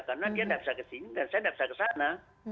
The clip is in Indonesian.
karena dia tidak bisa ke sini dan saya tidak bisa ke sana